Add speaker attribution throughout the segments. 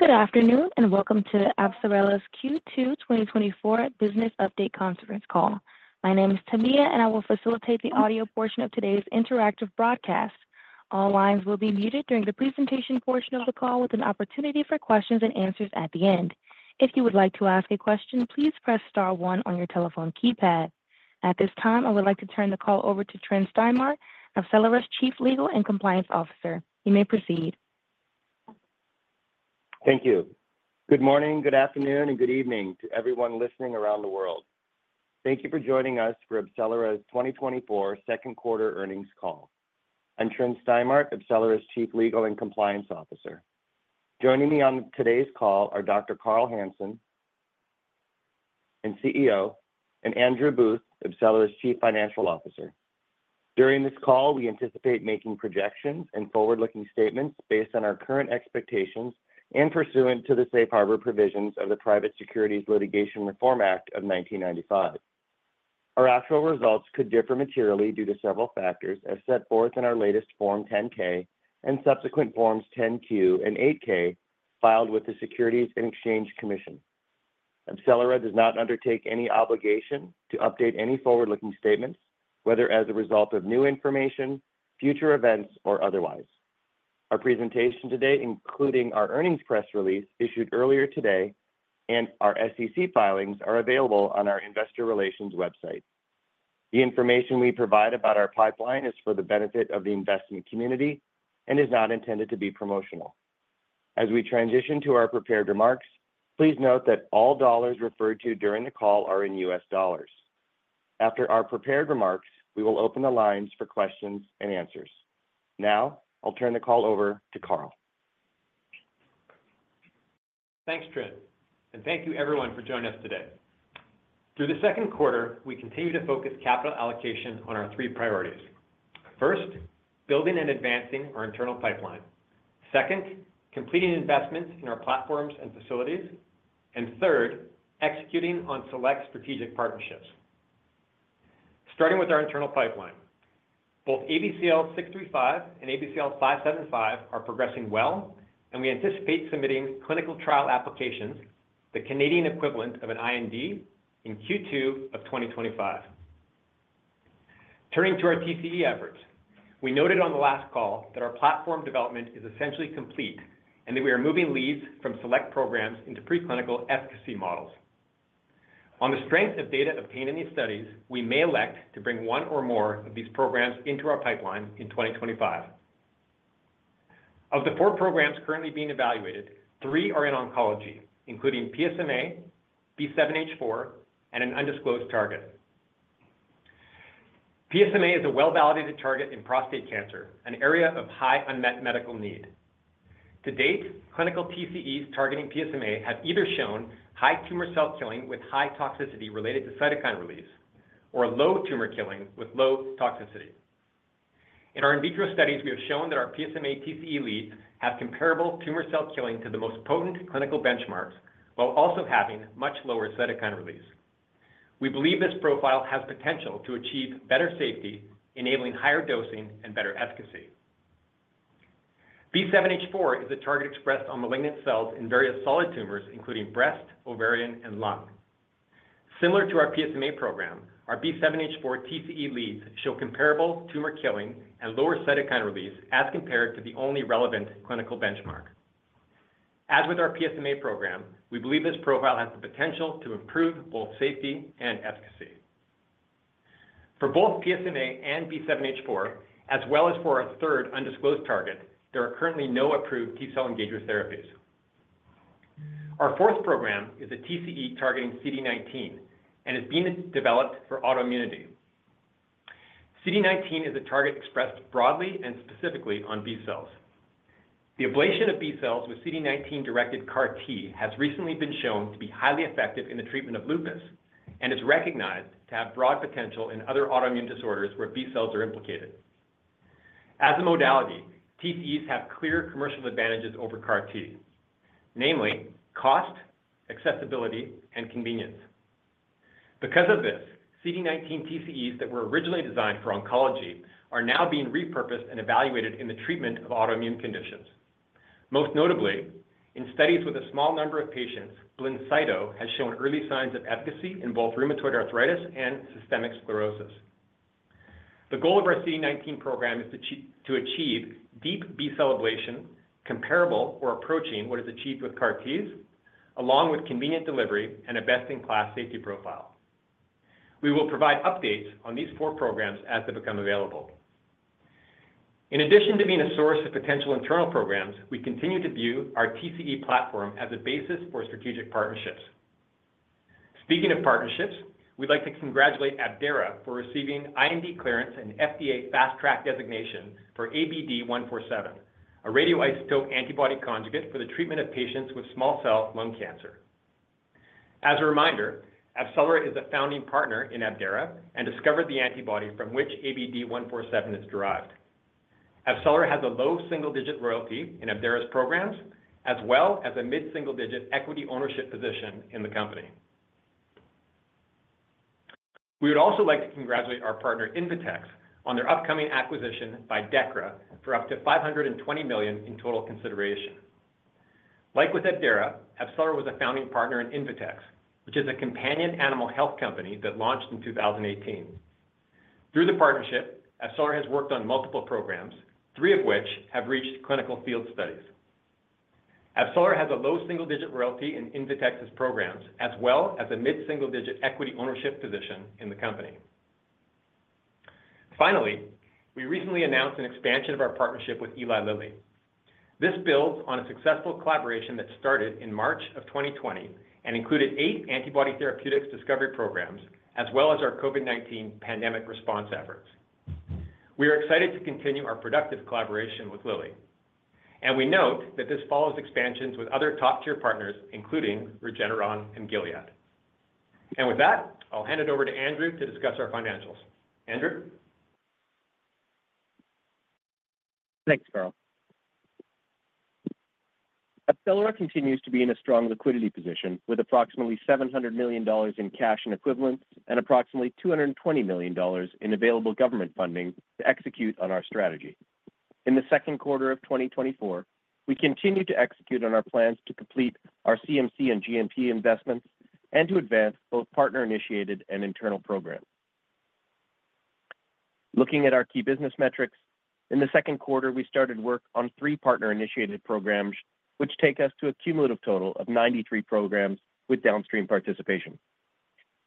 Speaker 1: Good afternoon, and welcome to AbCellera's Q2 2024 Business Update Conference Call. My name is Tamia, and I will facilitate the audio portion of today's interactive broadcast. All lines will be muted during the presentation portion of the call, with an opportunity for questions and answers at the end. If you would like to ask a question, please press star one on your telephone keypad. At this time, I would like to turn the call over to Tryn Stimart, AbCellera's Chief Legal and Compliance Officer. You may proceed.
Speaker 2: Thank you. Good morning, good afternoon, and good evening to everyone listening around the world. Thank you for joining us for AbCellera's 2024 second quarter earnings call. I'm Tryn Stimart, AbCellera's Chief Legal and Compliance Officer. Joining me on today's call are Dr. Carl Hansen, and CEO, and Andrew Booth, AbCellera's Chief Financial Officer. During this call, we anticipate making projections and forward-looking statements based on our current expectations and pursuant to the safe harbor provisions of the Private Securities Litigation Reform Act of 1995. Our actual results could differ materially due to several factors as set forth in our latest Form 10-K and subsequent Forms 10-Q and 8-K, filed with the Securities and Exchange Commission. AbCellera does not undertake any obligation to update any forward-looking statements, whether as a result of new information, future events, or otherwise. Our presentation today, including our earnings press release issued earlier today and our SEC filings, are available on our investor relations website. The information we provide about our pipeline is for the benefit of the investment community and is not intended to be promotional. As we transition to our prepared remarks, please note that all dollars referred to during the call are in U.S. dollars. After our prepared remarks, we will open the lines for questions and answers. Now, I'll turn the call over to Carl.
Speaker 3: Thanks, Tryn, and thank you everyone for joining us today. Through the second quarter, we continue to focus capital allocation on our three priorities. First, building and advancing our internal pipeline. Second, completing investments in our platforms and facilities. And third, executing on select strategic partnerships. Starting with our internal pipeline, both ABCL-635 and ABCL-575 are progressing well, and we anticipate submitting clinical trial applications, the Canadian equivalent of an IND, in Q2 of 2025. Turning to our TCE efforts, we noted on the last call that our platform development is essentially complete, and that we are moving leads from select programs into preclinical efficacy models. On the strength of data obtained in these studies, we may elect to bring one or more of these programs into our pipeline in 2025. Of the four programs currently being evaluated, three are in oncology, including PSMA, B7-H4, and an undisclosed target. PSMA is a well-validated target in prostate cancer, an area of high unmet medical need. To date, clinical TCEs targeting PSMA have either shown high tumor cell killing with high toxicity related to cytokine release or low tumor killing with low toxicity. In our in vitro studies, we have shown that our PSMA TCE leads have comparable tumor cell killing to the most potent clinical benchmarks, while also having much lower cytokine release. We believe this profile has potential to achieve better safety, enabling higher dosing and better efficacy. B7-H4 is a target expressed on malignant cells in various solid tumors, including breast, ovarian, and lung. Similar to our PSMA program, our B7-H4 TCE leads show comparable tumor killing and lower cytokine release as compared to the only relevant clinical benchmark. As with our PSMA program, we believe this profile has the potential to improve both safety and efficacy. For both PSMA and B7-H4, as well as for our third undisclosed target, there are currently no approved T-cell engager therapies. Our fourth program is a TCE targeting CD19 and is being developed for autoimmunity. CD19 is a target expressed broadly and specifically on B cells. The ablation of B cells with CD19-directed CAR-T has recently been shown to be highly effective in the treatment of lupus and is recognized to have broad potential in other autoimmune disorders where B cells are implicated. As a modality, TCEs have clear commercial advantages over CAR-Ts, namely cost, accessibility, and convenience. Because of this, CD19 TCEs that were originally designed for oncology are now being repurposed and evaluated in the treatment of autoimmune conditions. Most notably, in studies with a small number of patients, Blincyto has shown early signs of efficacy in both rheumatoid arthritis and systemic sclerosis. The goal of our CD19 program is to achieve deep B-cell ablation, comparable or approaching what is achieved with CAR-Ts, along with convenient delivery and a best-in-class safety profile. We will provide updates on these four programs as they become available. In addition to being a source of potential internal programs, we continue to view our TCE platform as a basis for strategic partnerships. Speaking of partnerships, we'd like to congratulate Abdera for receiving IND clearance and FDA Fast Track designation for ABD-147, a radioisotope antibody conjugate for the treatment of patients with small cell lung cancer. As a reminder, AbCellera is a founding partner in Abdera and discovered the antibody from which ABD-147 is derived. AbCellera has a low single-digit royalty in Abdera's programs, as well as a mid-single-digit equity ownership position in the company. We would also like to congratulate our partner, Invetx, on their upcoming acquisition by Dechra for up to $520 million in total consideration. Like with Abdera, AbCellera was a founding partner in Invetx, which is a companion animal health company that launched in 2018. Through the partnership, AbCellera has worked on multiple programs, three of which have reached clinical field studies. AbCellera has a low single-digit royalty in Invetx's programs, as well as a mid-single-digit equity ownership position in the company. Finally, we recently announced an expansion of our partnership with Eli Lilly. This builds on a successful collaboration that started in March of 2020 and included eight antibody therapeutics discovery programs, as well as our COVID-19 pandemic response efforts. We are excited to continue our productive collaboration with Lilly, and we note that this follows expansions with other top-tier partners, including Regeneron and Gilead. With that, I'll hand it over to Andrew to discuss our financials. Andrew?
Speaker 4: Thanks, Carl. AbCellera continues to be in a strong liquidity position, with approximately $700 million in cash and equivalents and approximately $220 million in available government funding to execute on our strategy. In the second quarter of 2024, we continued to execute on our plans to complete our CMC and GMP investments and to advance both partner-initiated and internal programs. Looking at our key business metrics, in the second quarter, we started work on 3 partner-initiated programs, which take us to a cumulative total of 93 programs with downstream participation.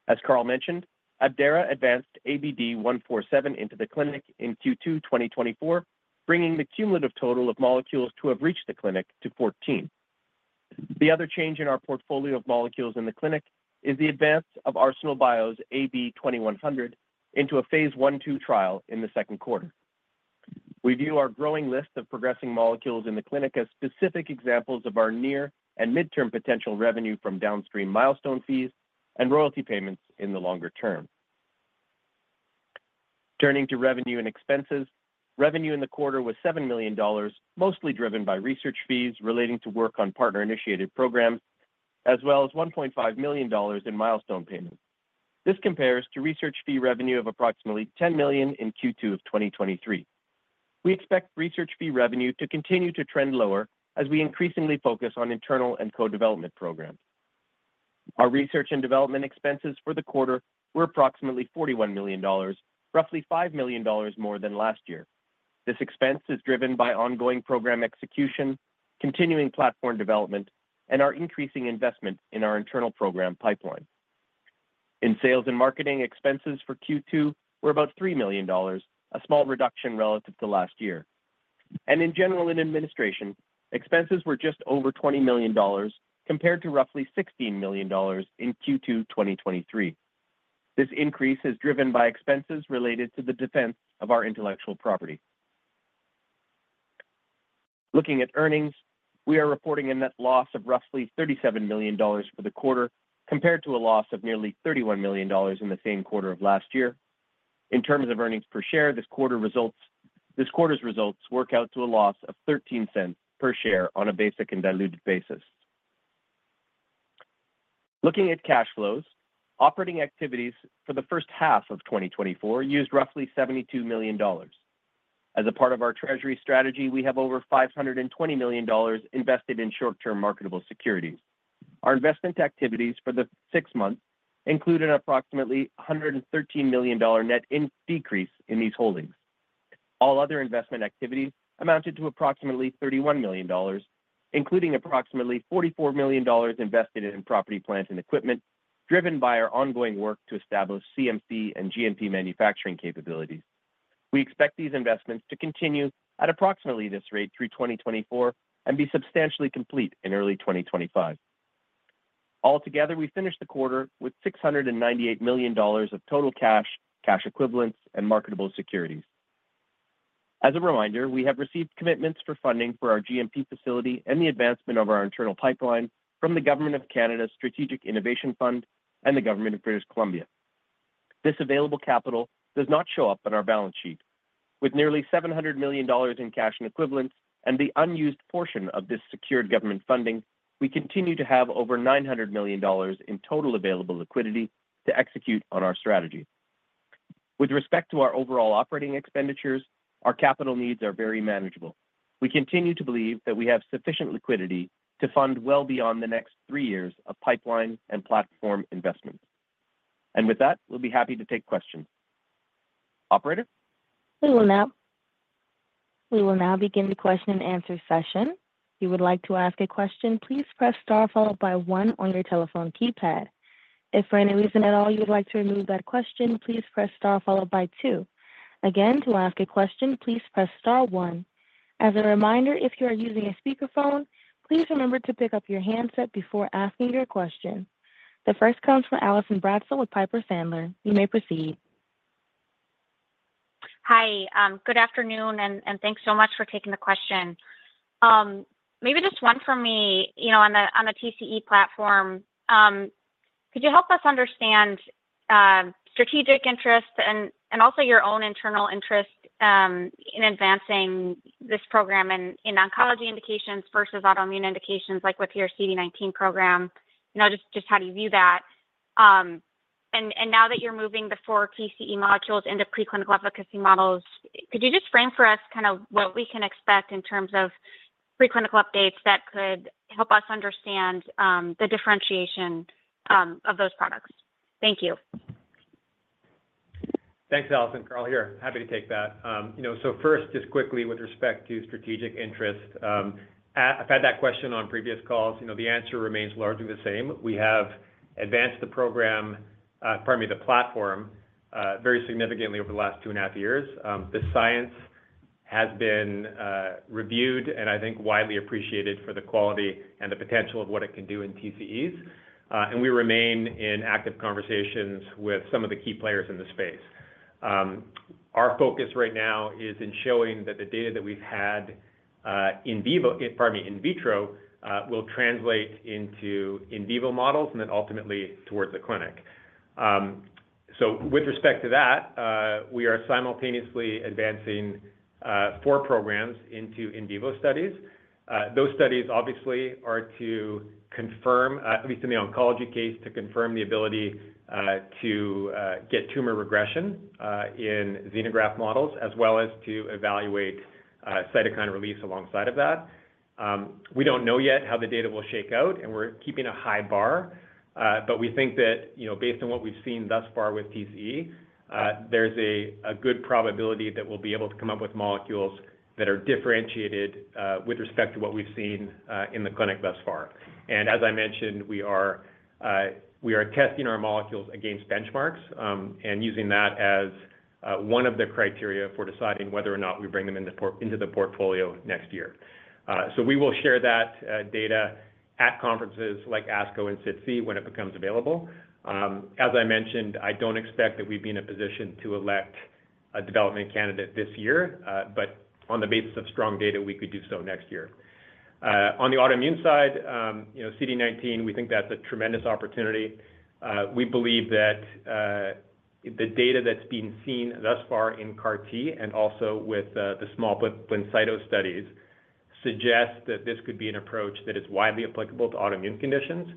Speaker 4: As Carl mentioned, Abdera advanced ABD-147 into the clinic in Q2 2024, bringing the cumulative total of molecules to have reached the clinic to 14. The other change in our portfolio of molecules in the clinic is the advance of ArsenalBio AB-2100 into a phase I/II trial in the second quarter. We view our growing list of progressing molecules in the clinic as specific examples of our near and midterm potential revenue from downstream milestone fees and royalty payments in the longer term. Turning to revenue and expenses, revenue in the quarter was $7 million, mostly driven by research fees relating to work on partner-initiated programs, as well as $1.5 million in milestone payments. This compares to research fee revenue of approximately $10 million in Q2 of 2023. We expect research fee revenue to continue to trend lower as we increasingly focus on internal and co-development programs. Our research and development expenses for the quarter were approximately $41 million, roughly $5 million more than last year. This expense is driven by ongoing program execution, continuing platform development, and our increasing investment in our internal program pipeline. In sales and marketing, expenses for Q2 were about $3 million, a small reduction relative to last year. In general and administrative, expenses were just over $20 million, compared to roughly $16 million in Q2 2023. This increase is driven by expenses related to the defense of our intellectual property. Looking at earnings, we are reporting a net loss of roughly $37 million for the quarter, compared to a loss of nearly $31 million in the same quarter of last year. In terms of earnings per share, this quarter's results work out to a loss of $0.13 per share on a basic and diluted basis. Looking at cash flows, operating activities for the first half of 2024 used roughly $72 million. As a part of our treasury strategy, we have over $520 million invested in short-term marketable securities. Our investment activities for the six months include an approximately $113 million net decrease in these holdings. All other investment activities amounted to approximately $31 million, including approximately $44 million invested in property, plant, and equipment, driven by our ongoing work to establish CMC and GMP manufacturing capabilities. We expect these investments to continue at approximately this rate through 2024 and be substantially complete in early 2025. Altogether, we finished the quarter with $698 million of total cash, cash equivalents, and marketable securities. As a reminder, we have received commitments for funding for our GMP facility and the advancement of our internal pipeline from the Government of Canada Strategic Innovation Fund and the Government of British Columbia. This available capital does not show up on our balance sheet. With nearly $700 million in cash and equivalents and the unused portion of this secured government funding, we continue to have over $900 million in total available liquidity to execute on our strategy. With respect to our overall operating expenditures, our capital needs are very manageable. We continue to believe that we have sufficient liquidity to fund well beyond the next three years of pipeline and platform investments. With that, we'll be happy to take questions. Operator?
Speaker 1: We will now begin the question and answer session. If you would like to ask a question, please press Star followed by one on your telephone keypad. If, for any reason at all, you would like to remove that question, please press Star followed by two. Again, to ask a question, please press Star one. As a reminder, if you are using a speakerphone, please remember to pick up your handset before asking your question. The first comes from Allison Bratzel with Piper Sandler. You may proceed.
Speaker 5: Hi, good afternoon, and thanks so much for taking the question. Maybe just one from me, you know, on the TCE platform. Could you help us understand strategic interests and also your own internal interest in advancing this program in oncology indications versus autoimmune indications, like with your CD19 program? You know, just how do you view that?... and now that you're moving the four TCE modules into preclinical efficacy models, could you just frame for us kind of what we can expect in terms of preclinical updates that could help us understand the differentiation of those products? Thank you.
Speaker 3: Thanks, Allison. Carl here, happy to take that. You know, so first, just quickly with respect to strategic interest, I've had that question on previous calls. You know, the answer remains largely the same. We have advanced the program, pardon me, the platform, very significantly over the last two and a half years. The science has been reviewed and I think widely appreciated for the quality and the potential of what it can do in TCEs. And we remain in active conversations with some of the key players in the space. Our focus right now is in showing that the data that we've had, in vivo, pardon me, in vitro, will translate into in vivo models and then ultimately towards the clinic. So with respect to that, we are simultaneously advancing four programs into in vivo studies. Those studies obviously are to confirm at least in the oncology case, to confirm the ability to get tumor regression in xenograft models, as well as to evaluate cytokine release alongside of that. We don't know yet how the data will shake out, and we're keeping a high bar, but we think that, you know, based on what we've seen thus far with TCE, there's a good probability that we'll be able to come up with molecules that are differentiated with respect to what we've seen in the clinic thus far. As I mentioned, we are testing our molecules against benchmarks, and using that as one of the criteria for deciding whether or not we bring them into the portfolio next year. So we will share that data at conferences like ASCO and SITC when it becomes available. As I mentioned, I don't expect that we'd be in a position to elect a development candidate this year, but on the basis of strong data, we could do so next year. On the autoimmune side, you know, CD19, we think that's a tremendous opportunity. We believe that the data that's been seen thus far in CAR-T and also with the small Blincyto studies suggest that this could be an approach that is widely applicable to autoimmune conditions.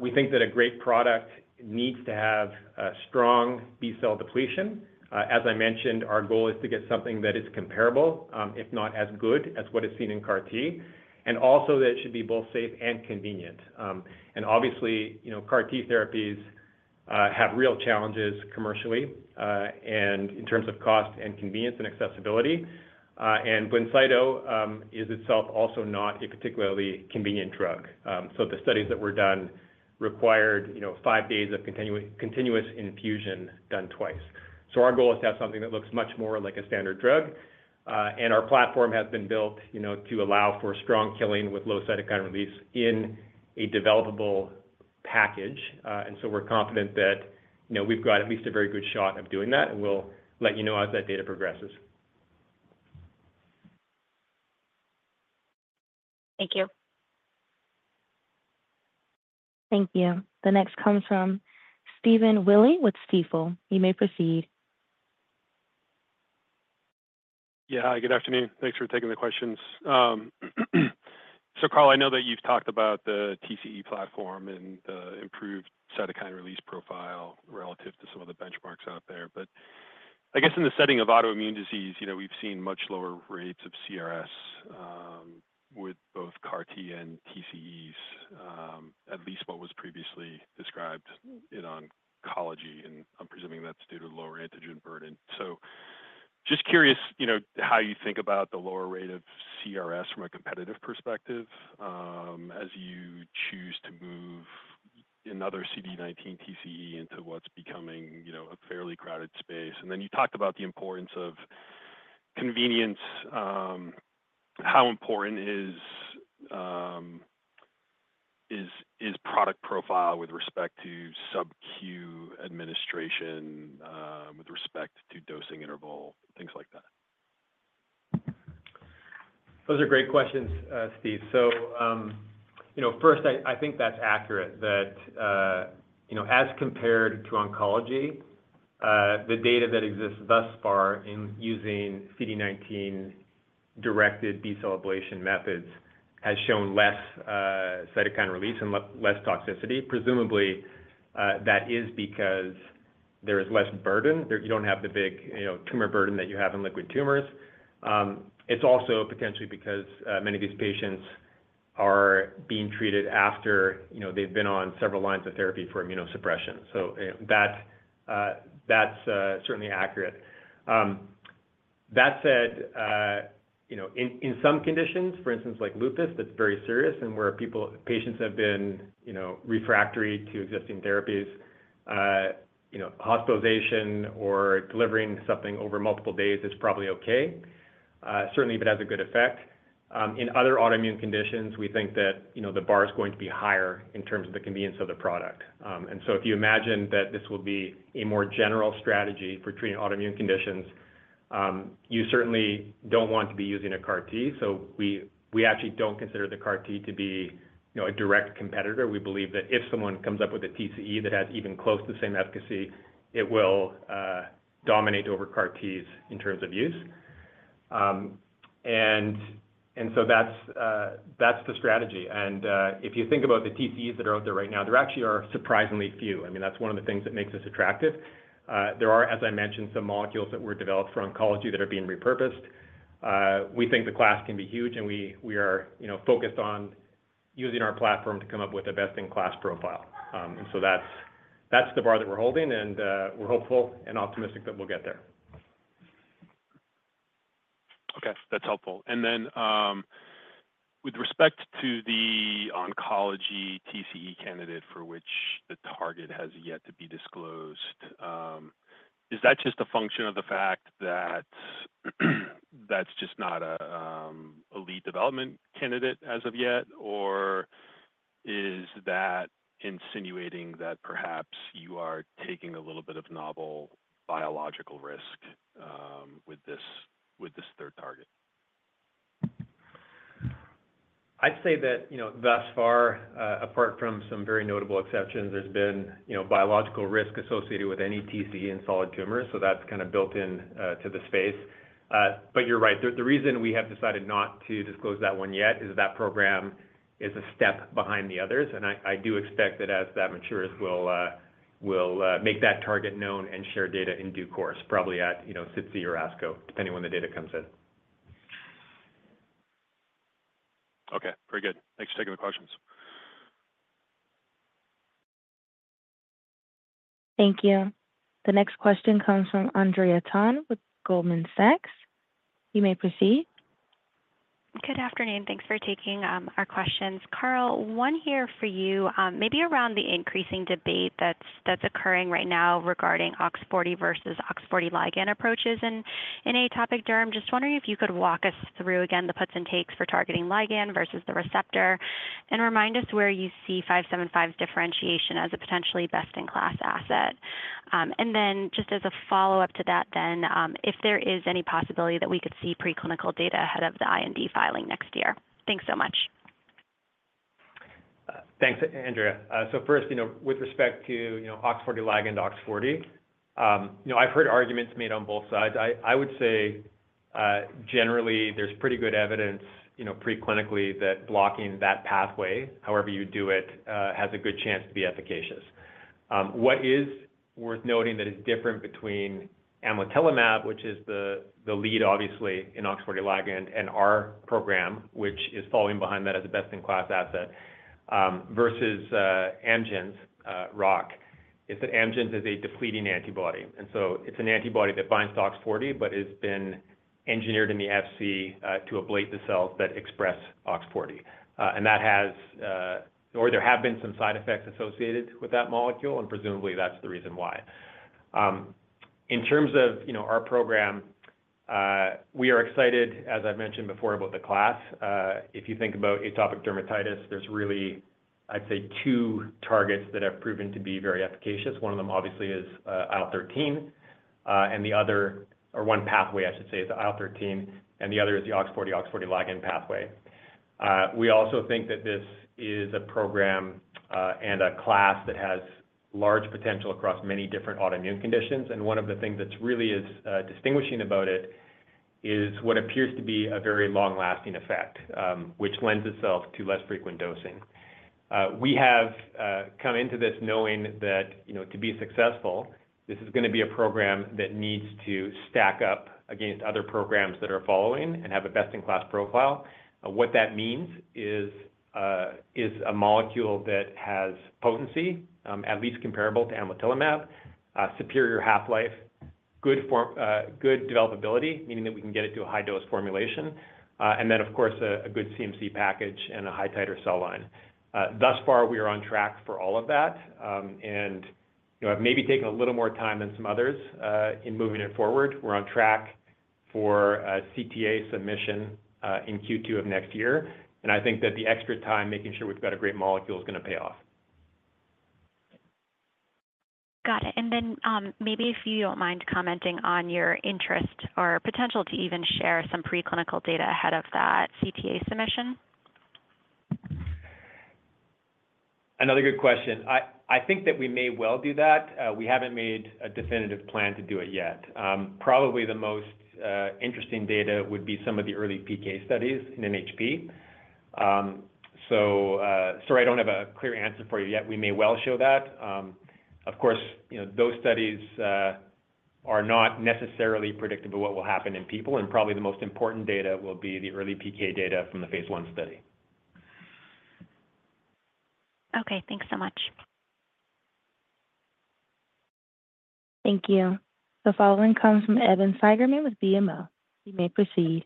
Speaker 3: We think that a great product needs to have a strong B-cell depletion. As I mentioned, our goal is to get something that is comparable, if not as good as what is seen in CAR T, and also that it should be both safe and convenient. And obviously, you know, CAR T therapies have real challenges commercially, and in terms of cost and convenience and accessibility. And Blincyto is itself also not a particularly convenient drug. So the studies that were done required, you know, five days of continuous infusion done twice. So our goal is to have something that looks much more like a standard drug, and our platform has been built, you know, to allow for strong killing with low cytokine release in a developable package. And so we're confident that, you know, we've got at least a very good shot of doing that, and we'll let you know as that data progresses.
Speaker 5: Thank you.
Speaker 1: Thank you. The next comes from Stephen Willey with Stifel. You may proceed.
Speaker 6: Yeah, good afternoon. Thanks for taking the questions. So, Carl, I know that you've talked about the TCE platform and the improved cytokine release profile relative to some of the benchmarks out there, but I guess in the setting of autoimmune disease, you know, we've seen much lower rates of CRS, with both CAR-T and TCEs, at least what was previously described in oncology, and I'm presuming that's due to lower antigen burden. So just curious, you know, how you think about the lower rate of CRS from a competitive perspective, as you choose to move another CD19 TCE into what's becoming, you know, a fairly crowded space. And then you talked about the importance of convenience. How important is product profile with respect to sub-Q administration, with respect to dosing interval, things like that?
Speaker 3: Those are great questions, Steve. So, you know, first, I think that's accurate that, you know, as compared to oncology, the data that exists thus far in using CD19-directed B-cell ablation methods has shown less cytokine release and less toxicity. Presumably, that is because there is less burden. There, you don't have the big, you know, tumor burden that you have in liquid tumors. It's also potentially because, many of these patients are being treated after, you know, they've been on several lines of therapy for immunosuppression. So, that's certainly accurate. That said, you know, in some conditions, for instance, like lupus, that's very serious and where people, patients have been, you know, refractory to existing therapies, you know, hospitalization or delivering something over multiple days is probably okay, certainly if it has a good effect. In other autoimmune conditions, we think that, you know, the bar is going to be higher in terms of the convenience of the product. And so if you imagine that this will be a more general strategy for treating autoimmune conditions, you certainly don't want to be using a CAR T. So we actually don't consider the CAR T to be, you know, a direct competitor. We believe that if someone comes up with a TCE that has even close to the same efficacy, it will dominate over CAR Ts in terms of use. So that's the strategy. If you think about the TCEs that are out there right now, there actually are surprisingly few. I mean, that's one of the things that makes us attractive. There are, as I mentioned, some molecules that were developed for oncology that are being repurposed. We think the class can be huge, and we are, you know, focused on using our platform to come up with a best-in-class profile. So that's the bar that we're holding, and we're hopeful and optimistic that we'll get there.
Speaker 6: Okay, that's helpful. And then, with respect to the oncology TCE candidate for which the target has yet to be disclosed, is that just a function of the fact that that's just not a lead development candidate as of yet? Or is that insinuating that perhaps you are taking a little bit of novel biological risk, with this, with this third target?
Speaker 3: I'd say that, you know, thus far, apart from some very notable exceptions, there's been, you know, biological risk associated with any TCE in solid tumors, so that's kind of built-in to the space. But you're right. The reason we have decided not to disclose that one yet is that program is a step behind the others, and I do expect that as that matures, we'll make that target known and share data in due course, probably at, you know, SITC or ASCO, depending when the data comes in.
Speaker 6: Okay, very good. Thanks for taking the questions.
Speaker 1: Thank you. The next question comes from Andrea Tan with Goldman Sachs. You may proceed.
Speaker 7: Good afternoon, thanks for taking our questions. Carl, one here for you, maybe around the increasing debate that's occurring right now regarding OX40 versus OX40 ligand approaches in atopic derm. Just wondering if you could walk us through again, the puts and takes for targeting ligand versus the receptor, and remind us where you see 575 differentiation as a potentially best-in-class asset. And then just as a follow-up to that then, if there is any possibility that we could see preclinical data ahead of the IND filing next year. Thanks so much.
Speaker 3: Thanks, Andrea. So first, you know, with respect to, you know, OX40 ligand, OX40, you know, I've heard arguments made on both sides. I would say, generally, there's pretty good evidence, you know, preclinically, that blocking that pathway, however you do it, has a good chance to be efficacious. What is worth noting that is different between Amlitelimab, which is the lead, obviously, in OX40 ligand and our program, which is following behind that as a best-in-class asset, versus Amgen's Roc, is that Amgen's is a depleting antibody. And so it's an antibody that binds to OX40, but it's been engineered in the Fc to ablate the cells that express OX40. And that has, or there have been some side effects associated with that molecule, and presumably, that's the reason why. In terms of, you know, our program, we are excited, as I've mentioned before, about the class. If you think about atopic dermatitis, there's really, I'd say, two targets that have proven to be very efficacious. One of them, obviously, is IL-13, and the other... Or one pathway, I should say, is the IL-13, and the other is the OX40-OX40 ligand pathway. We also think that this is a program and a class that has large potential across many different autoimmune conditions, and one of the things that's really is distinguishing about it is what appears to be a very long-lasting effect, which lends itself to less frequent dosing. We have come into this knowing that, you know, to be successful, this is gonna be a program that needs to stack up against other programs that are following and have a best-in-class profile. What that means is a molecule that has potency at least comparable to Amlitelimab, a superior half-life, good form, good developability, meaning that we can get it to a high dose formulation, and then, of course, a good CMC package and a high titer cell line. Thus far, we are on track for all of that, and, you know, have maybe taken a little more time than some others in moving it forward. We're on track for a CTA submission in Q2 of next year, and I think that the extra time, making sure we've got a great molecule, is gonna pay off.
Speaker 7: Got it. And then, maybe if you don't mind commenting on your interest or potential to even share some preclinical data ahead of that CTA submission?
Speaker 3: Another good question. I think that we may well do that. We haven't made a definitive plan to do it yet. Probably the most interesting data would be some of the early PK studies in NHP. So, sorry, I don't have a clear answer for you yet. We may well show that. Of course, you know, those studies are not necessarily predictive of what will happen in people, and probably the most important data will be the early PK data from the phase I study.
Speaker 7: Okay, thanks so much.
Speaker 1: Thank you. The following comes from Evan Seigerman with BMO. You may proceed.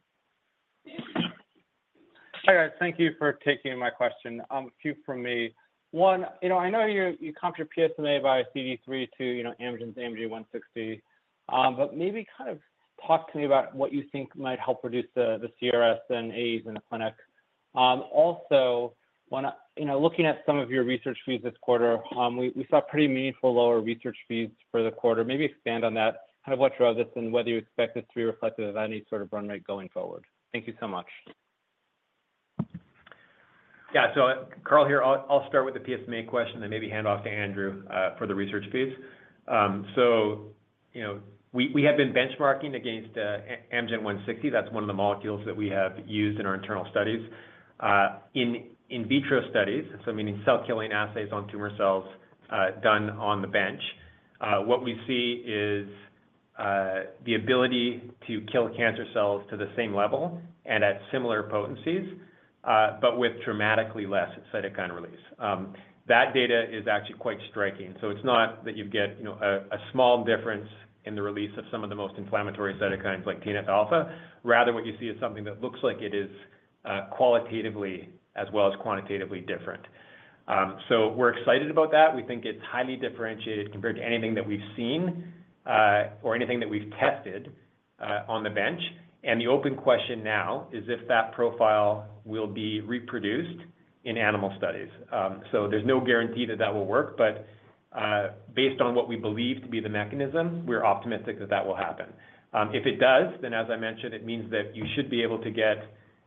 Speaker 8: Hi, guys. Thank you for taking my question. A few from me. One, you know, I know you comp your PSMA by CD3 to, you know, Amgen's AMG 160, but maybe kind of talk to me about what you think might help reduce the CRS and AEs in the clinic. Also, you know, looking at some of your research fees this quarter, we saw pretty meaningful lower research fees for the quarter. Maybe expand on that, kind of what drove this and whether you expect this to be reflective of any sort of run rate going forward. Thank you so much. ...
Speaker 3: Yeah, so Carl here, I'll start with the PSMA question, and maybe hand off to Andrew for the research piece. So, you know, we have been benchmarking against Amgen 160. That's one of the molecules that we have used in our internal studies. In vitro studies, so meaning cell killing assays on tumor cells done on the bench, what we see is the ability to kill cancer cells to the same level and at similar potencies, but with dramatically less cytokine release. That data is actually quite striking. So it's not that you get, you know, a small difference in the release of some of the most inflammatory cytokines like TNF-alpha. Rather, what you see is something that looks like it is qualitatively as well as quantitatively different. So we're excited about that. We think it's highly differentiated compared to anything that we've seen, or anything that we've tested, on the bench. The open question now is if that profile will be reproduced in animal studies. There's no guarantee that that will work, but based on what we believe to be the mechanism, we're optimistic that that will happen. If it does, then as I mentioned, it means that you should be able to get,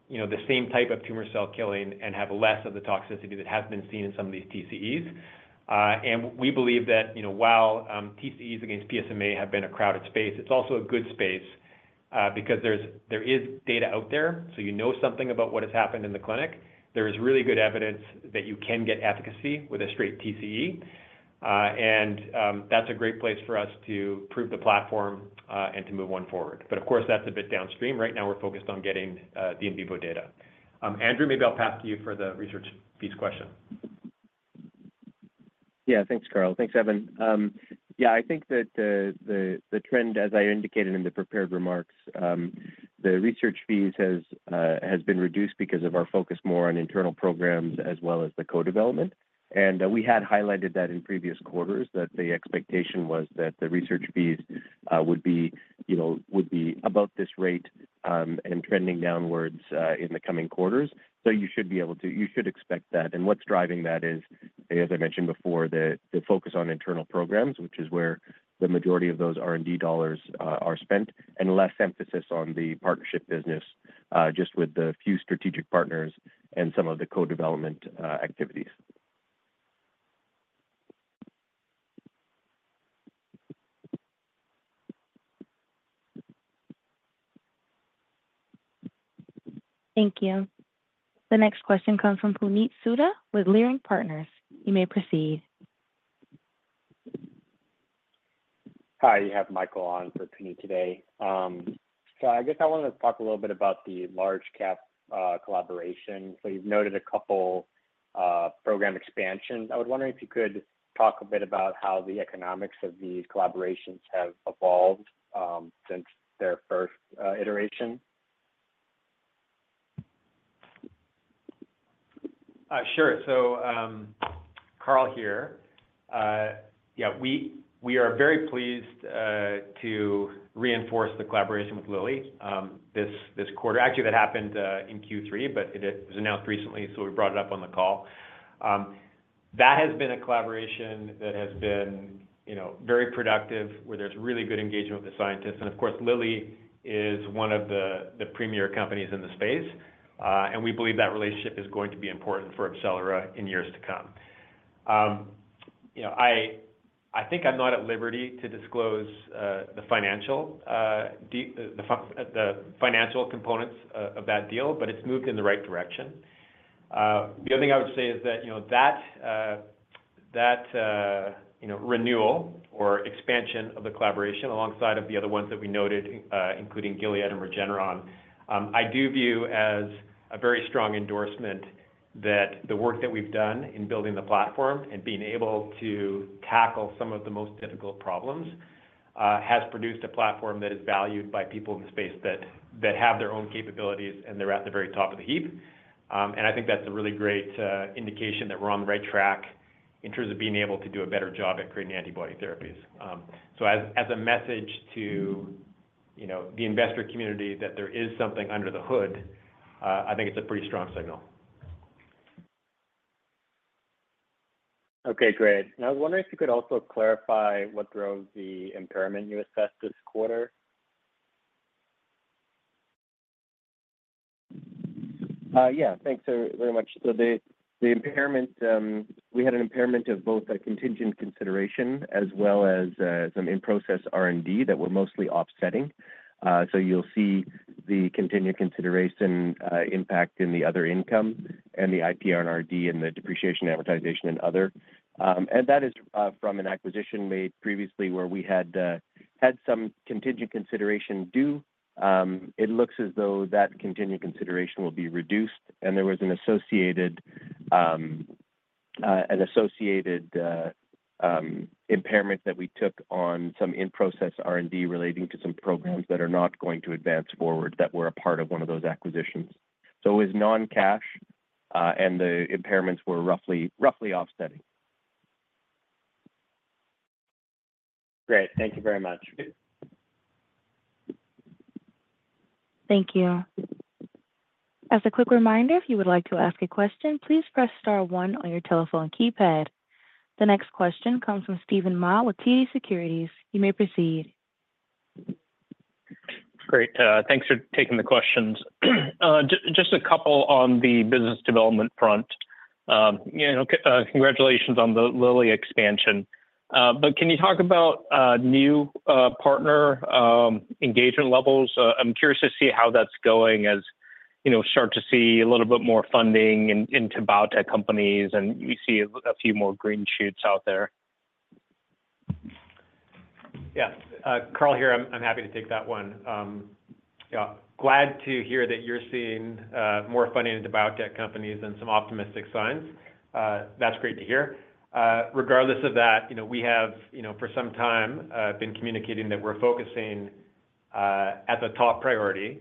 Speaker 3: you know, the same type of tumor cell killing and have less of the toxicity that has been seen in some of these TCEs. We believe that, you know, while TCEs against PSMA have been a crowded space, it's also a good space, because there's... There is data out there, so you know something about what has happened in the clinic. There is really good evidence that you can get efficacy with a straight TCE, and that's a great place for us to prove the platform, and to move one forward. But of course, that's a bit downstream. Right now, we're focused on getting the in vivo data. Andrew, maybe I'll pass to you for the research piece question.
Speaker 4: Yeah. Thanks, Carl. Thanks, Evan. Yeah, I think that the trend, as I indicated in the prepared remarks, the research fees has been reduced because of our focus more on internal programs as well as the co-development. And, we had highlighted that in previous quarters, that the expectation was that the research fees would be, you know, would be about this rate, and trending downwards, in the coming quarters. So you should be able to, you should expect that. And what's driving that is, as I mentioned before, the focus on internal programs, which is where the majority of those R&D dollars are spent, and less emphasis on the partnership business, just with the few strategic partners and some of the co-development activities.
Speaker 1: Thank you. The next question comes from Puneet Souda with Leerink Partners. You may proceed.
Speaker 9: Hi, you have Michael on for Puneet today. So I guess I wanted to talk a little bit about the large cap collaboration. So you've noted a couple program expansions. I was wondering if you could talk a bit about how the economics of these collaborations have evolved since their first iteration.
Speaker 3: Sure. So, Carl here. Yeah, we are very pleased to reinforce the collaboration with Lilly this quarter. Actually, that happened in Q3, but it was announced recently, so we brought it up on the call. That has been a collaboration that has been, you know, very productive, where there's really good engagement with the scientists. And of course, Lilly is one of the premier companies in the space, and we believe that relationship is going to be important for AbCellera in years to come. You know, I think I'm not at liberty to disclose the financial components of that deal, but it's moved in the right direction. The other thing I would say is that, you know, renewal or expansion of the collaboration, alongside of the other ones that we noted, including Gilead and Regeneron, I do view as a very strong endorsement that the work that we've done in building the platform and being able to tackle some of the most difficult problems, has produced a platform that is valued by people in the space that have their own capabilities, and they're at the very top of the heap. And I think that's a really great indication that we're on the right track in terms of being able to do a better job at creating antibody therapies. So, as a message to, you know, the investor community, that there is something under the hood, I think it's a pretty strong signal.
Speaker 10: Okay, great. And I was wondering if you could also clarify what drove the impairment you assessed this quarter?
Speaker 4: Yeah. Thanks so very much. So the impairment, we had an impairment of both a contingent consideration as well as some in-process R&D that were mostly offsetting. So you'll see the contingent consideration impact in the other income and the IPR&D and the depreciation, amortization, and other. And that is from an acquisition made previously where we had had some contingent consideration due. It looks as though that contingent consideration will be reduced, and there was an associated impairment that we took on some in-process R&D relating to some programs that are not going to advance forward that were a part of one of those acquisitions. So it was non-cash, and the impairments were roughly offsetting.
Speaker 10: Great. Thank you very much.
Speaker 1: Thank you. As a quick reminder, if you would like to ask a question, please press star one on your telephone keypad. The next question comes from Steven Mah with TD Securities. You may proceed....
Speaker 11: Great. Thanks for taking the questions. Just a couple on the business development front. You know, congratulations on the Lilly expansion. But can you talk about new partner engagement levels? I'm curious to see how that's going as you know, start to see a little bit more funding into biotech companies, and we see a few more green shoots out there.
Speaker 3: Yeah. Carl here. I'm, I'm happy to take that one. Yeah, glad to hear that you're seeing more funding into biotech companies and some optimistic signs. That's great to hear. Regardless of that, you know, we have, you know, for some time been communicating that we're focusing at the top priority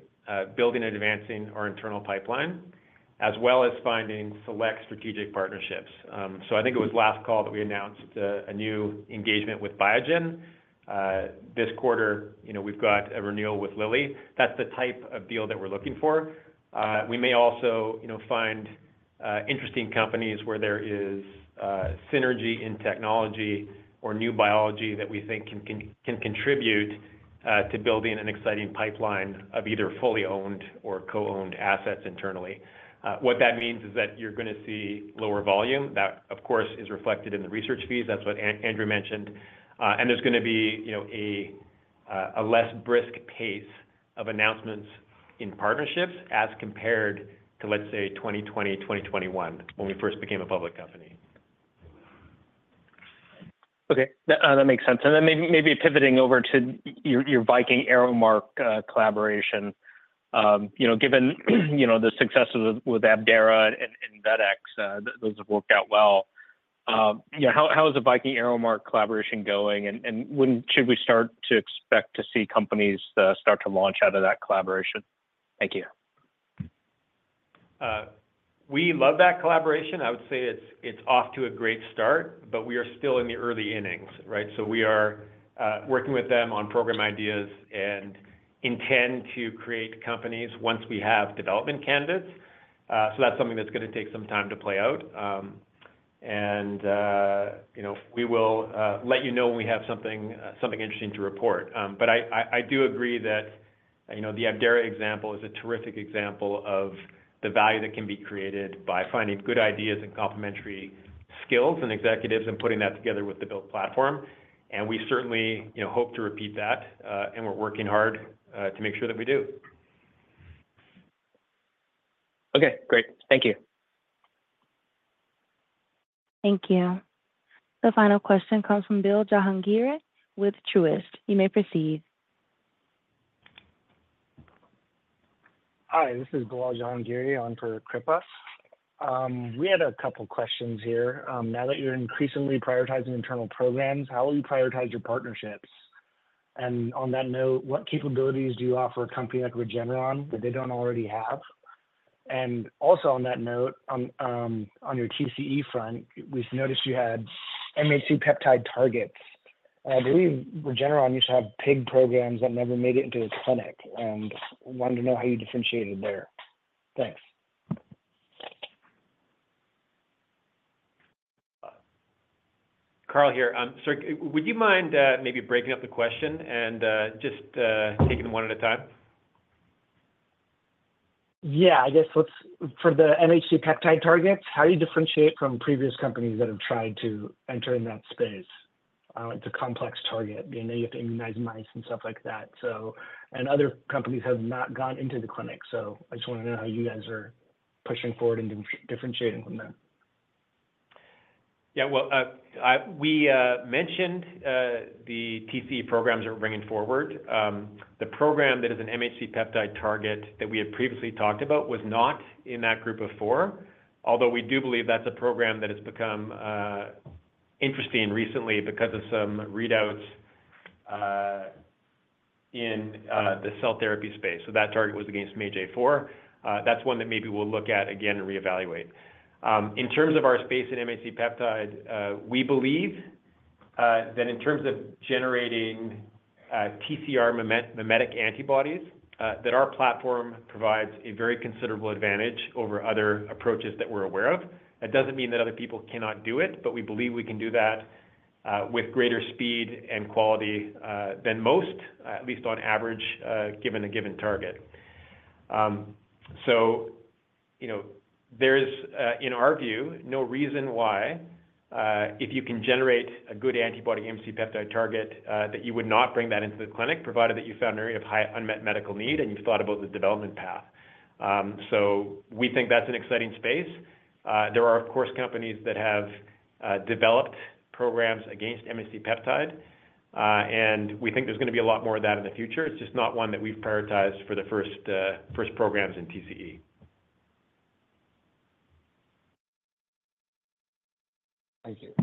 Speaker 3: building and advancing our internal pipeline, as well as finding select strategic partnerships. So I think it was last call that we announced a new engagement with Biogen. This quarter, you know, we've got a renewal with Lilly. That's the type of deal that we're looking for. We may also, you know, find interesting companies where there is synergy in technology or new biology that we think can, can, can contribute to building an exciting pipeline of either fully owned or co-owned assets internally What that means is that you're gonna see lower volume. That, of course, is reflected in the research fees, that's what Andrew mentioned. And there's gonna be, you know, a less brisk pace of announcements in partnerships as compared to, let's say, 2020, 2021, when we first became a public company.
Speaker 11: Okay. That makes sense. And then maybe, maybe pivoting over to your Viking ArrowMark collaboration. You know, given, you know, the success with, with Abdera and, and Invetx, those have worked out well. You know, how is the Viking ArrowMark collaboration going? And, and when should we start to expect to see companies, start to launch out of that collaboration? Thank you.
Speaker 3: We love that collaboration. I would say it's, it's off to a great start, but we are still in the early innings, right? So we are working with them on program ideas and intend to create companies once we have development candidates. So that's something that's gonna take some time to play out. And, you know, we will let you know when we have something, something interesting to report. But I, I, I do agree that, you know, the Abdera example is a terrific example of the value that can be created by finding good ideas and complementary skills and executives and putting that together with the built platform. And we certainly, you know, hope to repeat that, and we're working hard to make sure that we do.
Speaker 11: Okay, great. Thank you.
Speaker 1: Thank you. The final question comes from Bill Jahangiri with Truist. You may proceed.
Speaker 12: Hi, this is Bill Jahangiri on for Kripa. We had a couple questions here. Now that you're increasingly prioritizing internal programs, how will you prioritize your partnerships? And on that note, what capabilities do you offer a company like Regeneron that they don't already have? And also on that note, on your TCE front, we've noticed you had MHC peptide targets. I believe Regeneron used to have pig programs that never made it into a clinic, and wanted to know how you differentiated there. Thanks.
Speaker 3: Carl here. Sir, would you mind maybe breaking up the question and just taking them one at a time?
Speaker 12: Yeah. I guess let's for the MHC peptide targets, how do you differentiate from previous companies that have tried to enter in that space? It's a complex target, you know, you have to immunize mice and stuff like that. So... And other companies have not gone into the clinic, so I just want to know how you guys are pushing forward and differentiating from them.
Speaker 3: Yeah, well, we mentioned the TCE programs that we're bringing forward. The program that is an MHC peptide target that we had previously talked about was not in that group of four, although we do believe that's a program that has become interesting recently because of some readouts in the cell therapy space. So that target was against MAGE-A4. That's one that maybe we'll look at again and reevaluate. In terms of our space at MHC peptide, we believe that in terms of generating TCR mimetic antibodies, that our platform provides a very considerable advantage over other approaches that we're aware of. That doesn't mean that other people cannot do it, but we believe we can do that, with greater speed and quality, than most, at least on average, given a given target. So, you know, there is, in our view, no reason why, if you can generate a good antibody MHC peptide target, that you would not bring that into the clinic, provided that you found an area of high unmet medical need and you've thought about the development path. So we think that's an exciting space. There are, of course, companies that have developed programs against MHC peptide, and we think there's gonna be a lot more of that in the future. It's just not one that we've prioritized for the first, first programs in TCE.
Speaker 12: Thank you.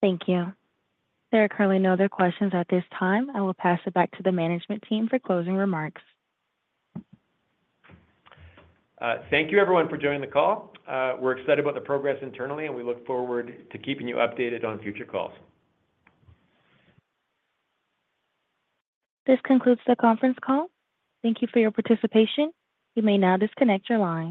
Speaker 1: Thank you. There are currently no other questions at this time. I will pass it back to the management team for closing remarks.
Speaker 3: Thank you, everyone, for joining the call. We're excited about the progress internally, and we look forward to keeping you updated on future calls.
Speaker 1: This concludes the conference call. Thank you for your participation. You may now disconnect your line.